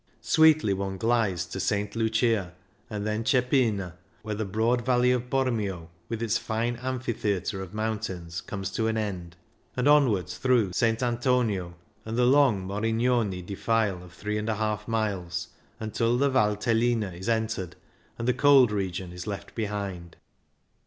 Sweetly one glides to St Lucia and then Ceppina, where the broad valley of Bormio, with its fine amphitheatre of moun tains, comes to an end, and onwards through S. Antonio and the long Morig none defile of 3^ miles, until the Val Tellina is entered and the cold region is left behind.